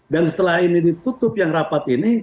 dan setelah ini ditutup yang rapat ini